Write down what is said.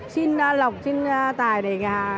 xin lọc xin tài để